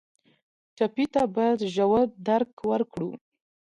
ټپي ته باید ژور درک ورکړو.